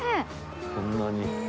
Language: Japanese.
こんなに。